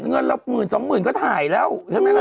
เงินเราหมื่นสองหมื่นก็ถ่ายแล้ว